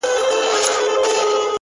چي له تا مخ واړوي تا وویني _